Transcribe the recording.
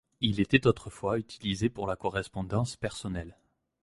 Il était autrefois utilisé pour la correspondance personnelle.